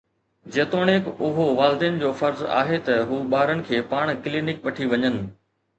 جيتوڻيڪ اهو والدين جو فرض آهي ته هو ٻارن کي پاڻ ڪلينڪ وٺي وڃن.